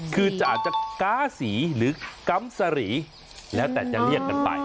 คือจะอาจจะก๊าสีหรือกำสรีแล้วแต่จะเรียกกันไป